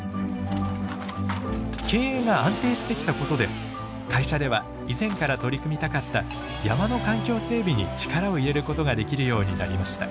経営が安定してきたことで会社では以前から取り組みたかった山の環境整備に力を入れることができるようになりました。